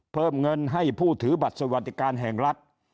เพิ่มเงินให้ผู้ถือบัตรสวัสดิการแห่งรัฐ